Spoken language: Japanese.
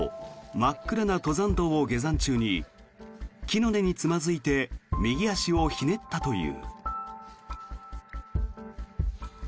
真っ暗な登山道を下山中に木の根につまずいて右足をひねったという。